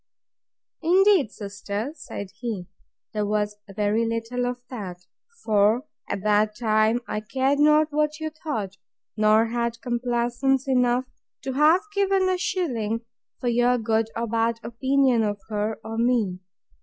Indeed, sister, said he, there was very little of that; for, at that time, I cared not what you thought, nor had complaisance enough to have given a shilling for your good or bad opinion of her or me.